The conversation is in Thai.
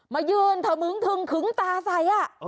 มายืนถมึงทึงขึงตาใส่